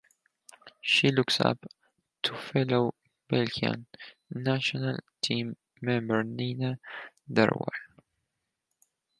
She looks up to fellow Belgian national team member Nina Derwael.